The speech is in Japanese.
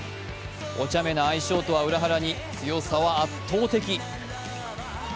おちゃめな愛称とは裏腹に、強さは圧倒的。